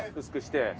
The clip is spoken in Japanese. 薄くして？